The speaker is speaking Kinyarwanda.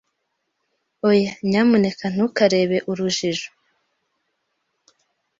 Oya, nyamuneka ntukarebe urujijo